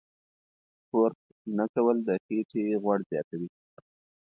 سپورت نه کول د خېټې غوړ زیاتوي.